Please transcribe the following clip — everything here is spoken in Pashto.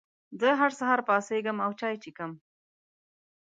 زه هر سهار پاڅېږم او چای څښم.